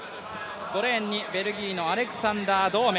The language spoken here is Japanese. ５レーンにベルギーのアレクサンダー・ドーム。